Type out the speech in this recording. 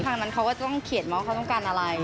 ทางนั้นเขาก็จะต้องเขียนว่าเขาต้องการอะไร